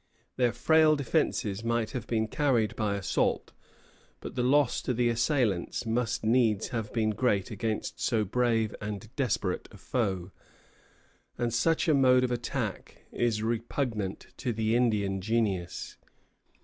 Their frail defences might have been carried by assault; but the loss to the assailants must needs have been great against so brave and desperate a foe, and such a mode of attack is repugnant to the Indian genius.